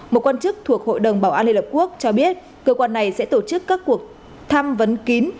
một quan chức thuộc hội đồng bảo an liên hợp quốc cho biết cơ quan này sẽ tổ chức các cuộc tham vấn kín